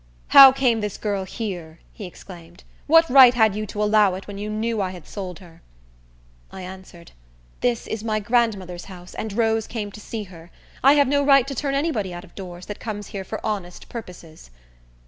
"How came this girl here?" he exclaimed. "What right had you to allow it, when you knew I had sold her?" I answered, "This is my grandmother's house, and Rose came to see her. I have no right to turn any body out of doors, that comes here for honest purposes."